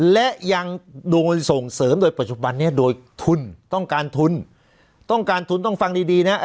และยังโดนส่งเสริมโดยปัจจุบันนี้โดยทุนต้องการทุนต้องการทุนต้องฟังดีดีนะ